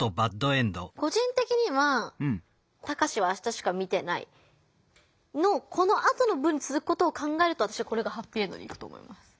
個人的には「タカシは明日しか見てない」のこのあとの文につづくことを考えるとこれがハッピーエンドにいくと思います。